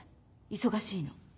忙しいの。